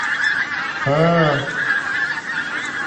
Facebook ব্যবহারে টাকা খরচ করতে হবে, এমন একটা কথা প্রায়ই শোনা যাচ্ছিল।